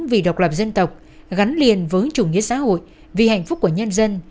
vì độc lập dân tộc gắn liền với chủ nghĩa xã hội vì hạnh phúc của nhân dân